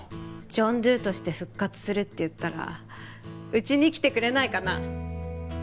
ジョン・ドゥとして復活するって言ったらうちに来てくれないかな？